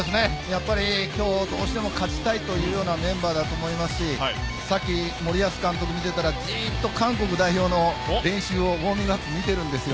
今日どうしても勝ちたいというようなメンバーだと思いますしさっき、森保監督見てたら、じっと韓国代表のウォーミングアップを見ているんです。